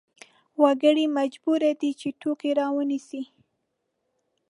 وګړي مجبور دي چې توکې راونیسي.